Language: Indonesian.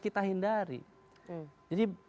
kita hindari jadi